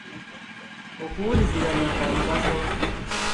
Okuwuliziganya kwa mugaso.